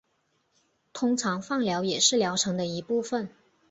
通常放疗也是疗程的一部分。